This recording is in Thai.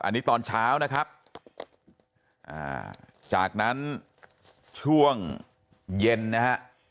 อันนี้ตอนเช้านะครับจากนั้นช่วงเย็นนะฮะ